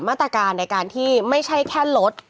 มาตรการในการที่ไม่ใช่แค่ลด